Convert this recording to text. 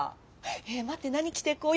え待って何着て行こう？